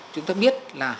chúng ta biết là